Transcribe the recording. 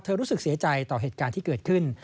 รู้สึกเสียใจต่อเหตุการณ์ที่เกิดขึ้น